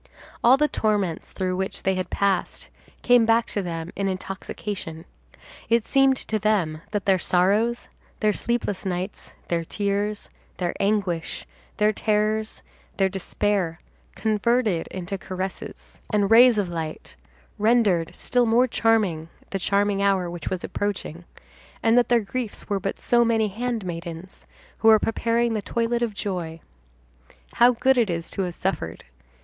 All the torments through which they had passed came back to them in intoxication. It seemed to them that their sorrows, their sleepless nights, their tears, their anguish, their terrors, their despair, converted into caresses and rays of light, rendered still more charming the charming hour which was approaching; and that their griefs were but so many handmaidens who were preparing the toilet of joy. How good it is to have suffered!